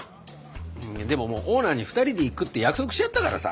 でももうオーナーに２人で行くって約束しちゃったからさ。